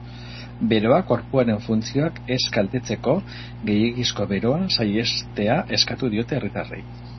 Beroak gorpuaren funtzioak ez kaltetzeko, gehiegizko beroa saihestea eskatu diote herritarrei.